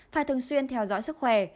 phải thường xuyên theo dõi sức khỏe